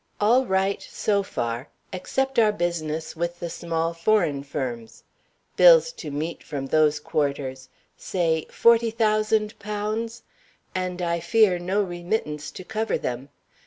All right, so far except our business with the small foreign firms. Bills to meet from those quarters, (say) forty thousand pounds and, I fear, no remittances to cover them.